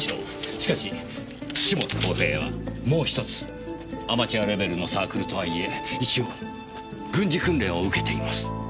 しかし土本公平はもう１つアマチュアレベルのサークルとはいえ一応軍事訓練を受けています。